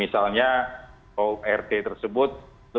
misalnya kalau rt tersebut